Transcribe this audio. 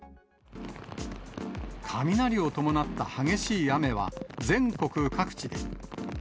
雷を伴った激しい雨は全国各地で。